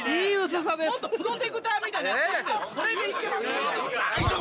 もっとプロテクターみたいなやつないんですか？